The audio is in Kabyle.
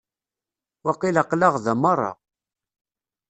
Waqil aql-aɣ da merra.